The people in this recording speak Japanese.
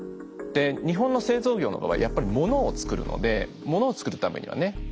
で日本の製造業の場合やっぱりものをつくるのでものをつくるためにはね